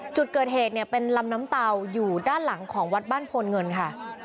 จุดเกิดเหตุเนี่ยเป็นลำน้ำเตาอยู่ด้านหลังของวัดบ้านโพนเงินค่ะ